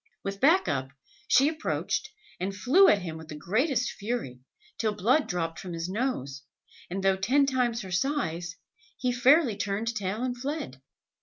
With back up, she approached, and flew at him with the greatest fury, till blood dropped from his nose, and though ten times her size, he fairly turned tail and fled.